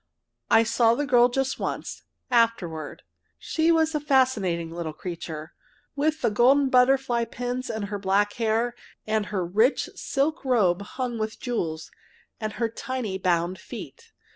I saw the girl just once afterward. She was a fascinating little creature, with the golden butterfly pins in her black hair, and her rich silk robe hung with jewels, and her tiny bound feet.